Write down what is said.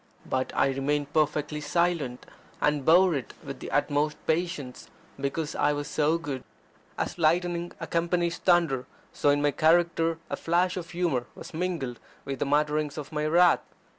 But I remained perfectly silent, and bore it with the utmost patience, because I was so good. As lightning accompanies thunder, so in my character a flash of humour was mingled with the mutterings of my wrath.